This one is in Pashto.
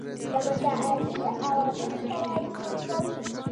له متعالي عوالمو سره یې مخ کوي.